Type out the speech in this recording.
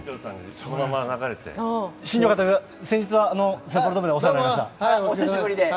新庄監督、先日は札幌ドームでお世話になりました。